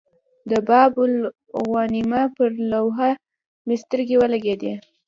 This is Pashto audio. د باب الغوانمه پر لوحه مې سترګې ولګېدې.